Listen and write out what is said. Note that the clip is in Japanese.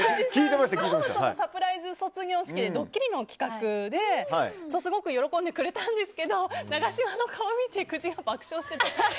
サプライズ卒業式でドッキリの企画ですごく喜んでくれたんですけど永島の顔を見て久慈が爆笑してて。